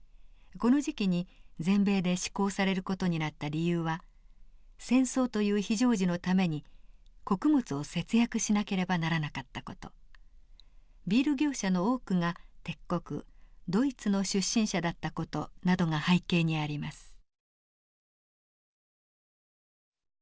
この時期に全米で施行される事になった理由は戦争という非常時のために穀物を節約しなければならなかった事ビール業者の多くが敵国ドイツの出身者だった事などが背景にあります。